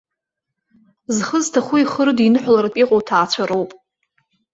Зхы зҭаху ихы рыдиныҳәалартә иҟоу ҭаацәароуп.